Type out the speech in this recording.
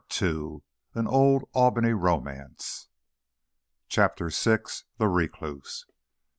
AN OLD ALBANY ROMANCE. CHAPTER VI. THE RECLUSE.